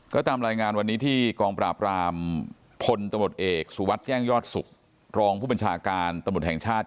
ก็ตามรายงานวันนี้ที่กองปราบรามพลตำรวจเอกสุวัสดิ์แจ้งยอดสุขรองผู้บัญชาการตำรวจแห่งชาติ